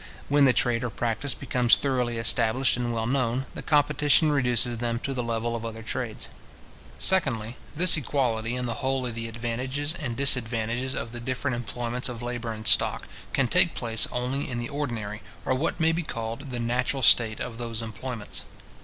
When the trade or practice becomes thoroughly established and well known, the competition reduces them to the level of other trades. Secondly, this equality in the whole of the advantages and disadvantages of the different employments of labour and stock, can take place only in the ordinary, or what may be called the natural state of those employments.